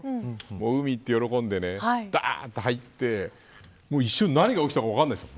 海に行って喜んでだーっと入って一瞬、何が起きたか分かんないんです。